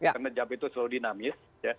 karena jam itu selalu dinamis